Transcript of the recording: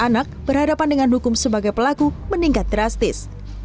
anak berhadapan dengan hukum sebagai pelaku meningkat drastis